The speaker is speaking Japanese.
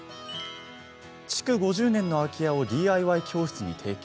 築５０年の空き家をＤＩＹ教室に提供。